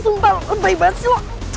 sumpah lebay banget sih lo